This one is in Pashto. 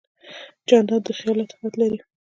جانداد د خیال لطافت لري.